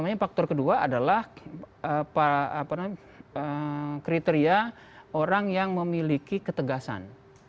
jadi faktor kedua adalah kriteria orang yang memiliki ketegasan